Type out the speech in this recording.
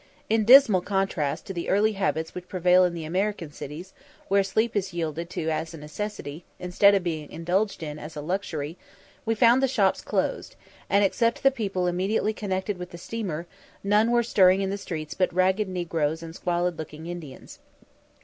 In dismal contrast to the early habits which prevail in the American cities, where sleep is yielded to as a necessity, instead of being indulged in as a luxury, we found the shops closed, and, except the people immediately connected with the steamer, none were stirring in the streets but ragged negroes and squalid looking Indians.